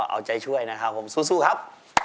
เอาใจช่วยนะครับผมสู้ครับ